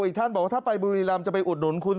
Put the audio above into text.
อีกท่านบอกว่าถ้าไปบุรีรำจะไปอุดหนุนคุณ